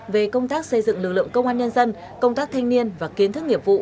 về công tác xây dựng lực lượng công an nhân dân công tác thanh niên và kiến thức nghiệp vụ